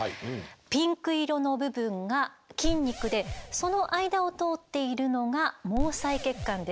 ピンク色の部分が筋肉でその間を通っているのが毛細血管です。